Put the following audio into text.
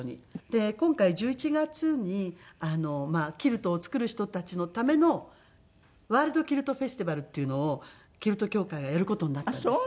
で今回１１月にキルトを作る人たちのためのワールドキルトフェスティバルっていうのをキルト協会がやる事になったんです。